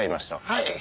はい。